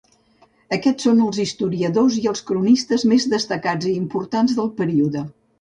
Aquests són els historiadors i els cronistes més destacats i importants del període.